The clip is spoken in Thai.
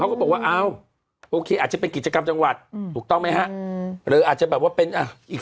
ดูจากตอนนี้ก็งานไม่ใหญ่แน่นะวิ